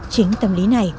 chính tâm lý này